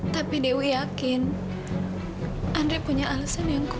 tapi dewi yakin andre punya alasan yang kuat